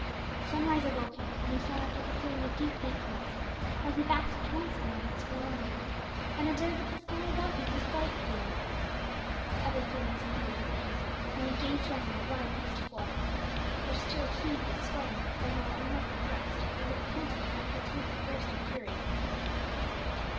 Sunrise awoke him, and he sat up with a feeling of deep thankfulness, as he basked once more in its warm rays and observed that the sky above him was bright blue. But other feelings mingled with these when he gazed round on the wide waste of water, which still heaved its swelling though now unruffled breast, as if panting after its recent burst of fury.